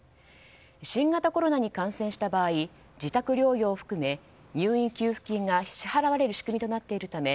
新型コロナに感染した場合自宅療養を含め入院給付金が支払われる仕組みとなっているため